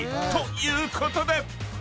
［ということで］